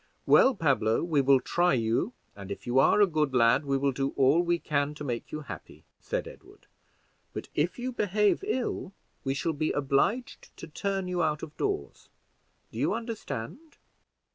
"Well, Pablo, we will try you, and if you are a good lad we will do all we can to make you happy," said Edward; "but if you behave ill we shall be obliged to turn you out of doors: do you understand?"